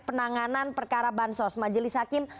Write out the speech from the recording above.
penanganan perkara bansos majelis hakim